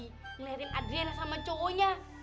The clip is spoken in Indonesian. ngerin adrian sama cowoknya